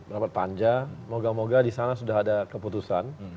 rapat panjang moga moga disana sudah ada keputusan